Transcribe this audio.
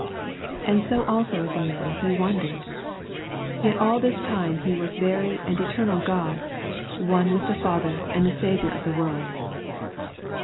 And so also as man He wondered. Yet all this time He was very and eternal Q od, one with the Father, and the Saviour of the world.